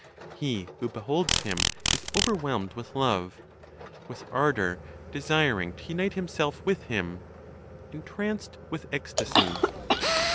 He who beholds him is overwhelmed with love; with ardor desiring to unite himself with Him, entranced with ecstasy.